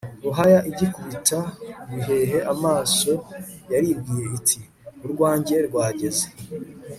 ruhaya igikubita bihehe amaso, yaribwiye iti «urwanjye rwageze